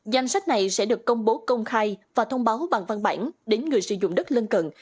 danh sách này sẽ được công bố công khai và thông báo bằng văn bản đến người sử dụng đất lân cận